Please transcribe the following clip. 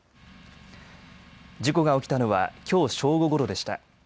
事故が起きたのはきょう正午ごろでした。